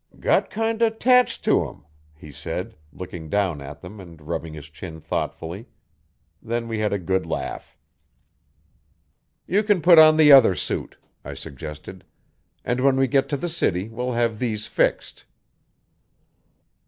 'Got kind o' 'tached to 'em,' he said, looking down at them and rubbing his chin thoughtfully. Then we had a good laugh. 'You can put on the other suit,' I suggested, 'and when we get to the city we'll have these fixed.'